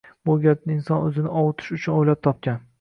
Bu gapni inson o`zini ovutish uchun o`ylab topgan